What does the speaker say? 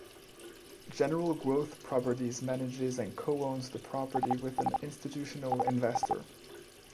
General Growth Properties manages and co-owns the property with an institutional investor.